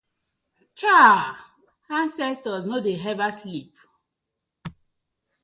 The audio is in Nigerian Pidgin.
Chaaah!! Ancestors no dey ever sleep.